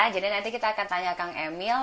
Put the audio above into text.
nanti kita akan tanya kang emil